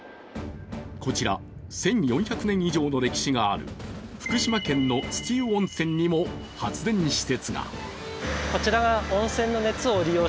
こちら、１４００年以上の歴史がある福島県の土湯温泉にも発電施設が。